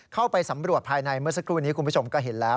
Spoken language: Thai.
เข้าไปสำรวจภายในเมื่อสักครู่นี้คุณผู้ชมก็เห็นแล้ว